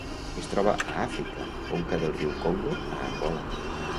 Es troba a Àfrica: conca del riu Congo a Angola.